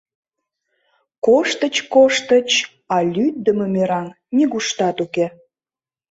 Коштыч, коштыч, а лӱддымӧ мераҥ нигуштат уке.